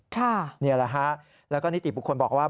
นี่แหละฮะแล้วก็นิติบุคคลบอกว่า